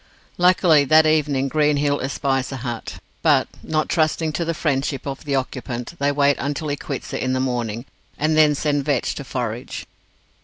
Luckily, that evening Greenhill espies a hut, but, not trusting to the friendship of the occupant, they wait until he quits it in the morning, and then send Vetch to forage.